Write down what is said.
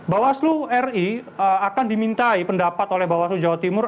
bawaslu ri akan dimintai pendapat oleh bawaslu jawa timur